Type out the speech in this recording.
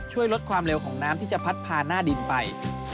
ช่วยลดความเร็วของน้ำที่จะพัดพาหน้าดินไป